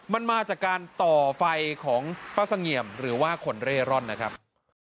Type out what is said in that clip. มันมาจากการต่อไฟของป้าเสงี่ยมหรือว่าคนเร่ร่อนนะครับ